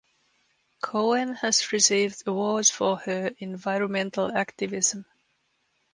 Cohen has received awards for her environmental activism.